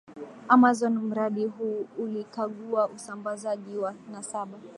Amazon Mradi huu ulikagua usambazaji wa nasaba